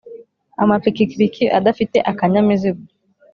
Amapikipiki Adafite akanyamizigo